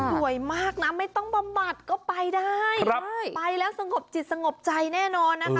สวยมากนะไม่ต้องบำบัดก็ไปได้ไปแล้วสงบจิตสงบใจแน่นอนนะคะ